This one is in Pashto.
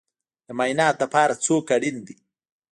د معایناتو لپاره څوک اړین دی؟